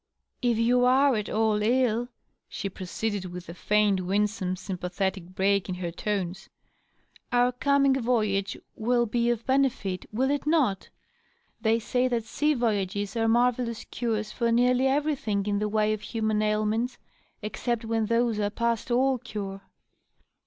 " If you are at all ill," she proceeded, with a faint, winsome, sym pathetic break in her tones, " our coming voyage will be of benefit, will it not? They say that sea voyages are marvellous cures for nearly everything in the way of human ailments, except when those are past qfL cure."